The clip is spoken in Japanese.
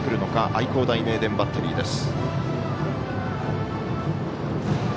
愛工大名電バッテリーです。